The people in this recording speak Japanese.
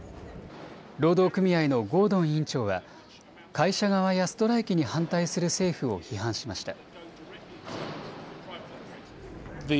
労働組合のゴードン委員長は会社側やストライキに反対する政府を批判しました。